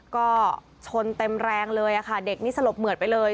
ก็ชนเต็มแรงเลยค่ะเด็กนี่สลบเหมือดไปเลย